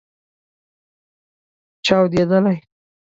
چاودیدلې